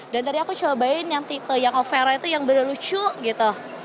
dan tadi aku cobain yang tipe yang o'ferra itu yang benar benar lucu gitu